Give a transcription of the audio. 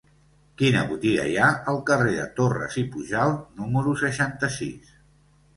Quina botiga hi ha al carrer de Torras i Pujalt número seixanta-sis?